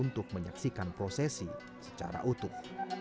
untuk menyaksikan prosesi secara utuh